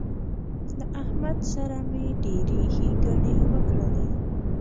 له احمد سره مې ډېرې ښېګڼې وکړلې